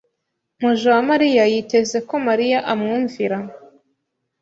Mujawamariya yiteze ko Mariya amwumvira.